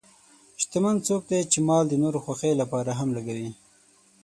شتمن څوک دی چې مال د نورو خوښۍ لپاره هم لګوي.